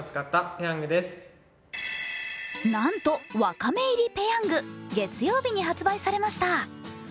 なんとわかめ入りペヤング、月曜日に発売されました。